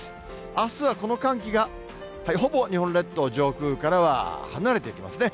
あすはこの寒気がほぼ日本列島上空からは離れていきますね。